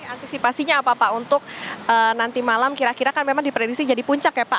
antisipasinya apa pak untuk nanti malam kira kira kan memang diprediksi jadi puncak ya pak